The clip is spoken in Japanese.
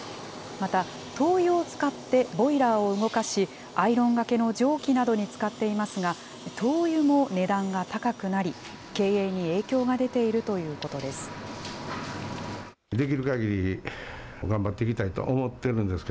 また、灯油を使ってボイラーを動かし、アイロンがけの蒸気などに使っていますが、灯油も値段が高くなり、経営に影響が出ているということです。